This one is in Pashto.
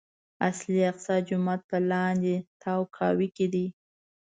اصلي اقصی جومات په لاندې تاكاوۍ کې دی.